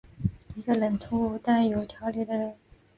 一个冷酷但有条理的人。